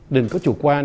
đừng có chủ quan